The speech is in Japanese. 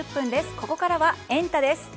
ここからはエンタ！です。